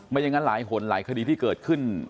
อย่างนั้นหลายหนหลายคดีที่เกิดขึ้น